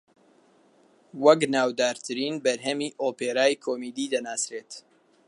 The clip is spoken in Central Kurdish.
وەک ناودارترین بەرهەمی ئۆپێرایی کۆمیدی دەناسرێت